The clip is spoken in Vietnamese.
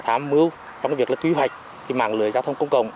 và tham mưu trong việc quy hoạch mạng lưới giao thông công cộng